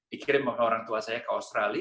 dikirim ke orang tua saya ke australia